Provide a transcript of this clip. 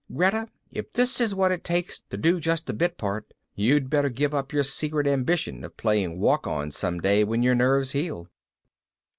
Greta, if this is what it takes to do just a bit part, you'd better give up your secret ambition of playing walk ons some day when your nerves heal.